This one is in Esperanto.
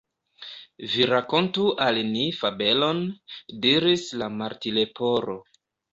"Vi rakontu al ni fabelon," diris la Martleporo.